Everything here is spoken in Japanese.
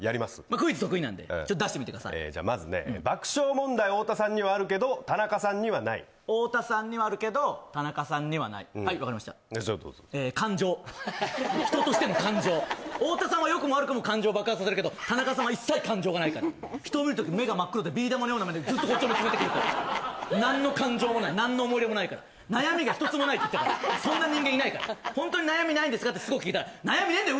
クイズ得意なんで出してみてくださいじゃあまずね爆笑問題太田さんにはあるけど田中さんにはない太田さんにはあるけど田中さんにはないはい分かりましたどうぞ感情人としての感情太田さんはよくも悪くも感情爆発させるけど田中さんは一切感情がないから人を見る時目が真っ黒でビー玉のような目でずっとこっちを見つめてくるから何の感情もない何の思い入れもないから悩みが１つもないって言ってたからそんな人間いないからホントに悩みないんですかってしつこく聞いたら悩みねえんだよ